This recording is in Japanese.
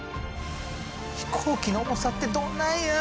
飛行機の重さってどんなんや？